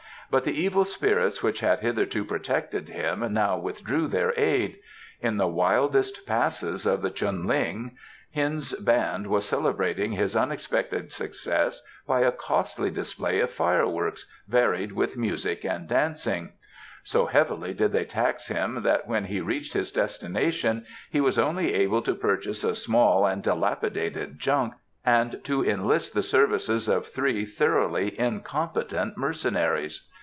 But the evil spirits which had hitherto protected him now withdrew their aid. In the wildest passes of the Chunlings Hien's band was celebrating his unexpected success by a costly display of fireworks, varied with music and dancing. ... So heavily did they tax him that when he reached his destination he was only able to purchase a small and dilapidated junk and to enlist the services of three thoroughly incompetent mercenaries.